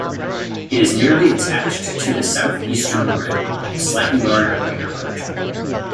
It is nearly attached to the southeastern rim of the slightly larger crater Kircher.